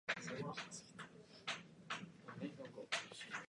五月雨をあつめてやばしドナウ川